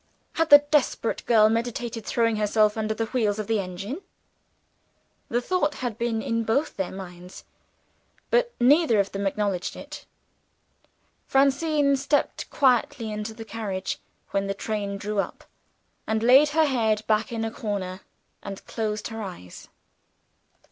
Had the desperate girl meditated throwing herself under the wheels of the engine? The thought had been in both their minds; but neither of them acknowledged it. Francine stepped quietly into the carriage, when the train drew up, and laid her head back in a corner, and closed her eyes.